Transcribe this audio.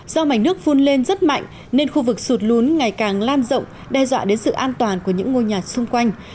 do mảnh nước phun lên rất mạnh nên khu vực sụt lún ngày càng lan rộng đe dọa đến sự an toàn của những ngôi nhà xung quanh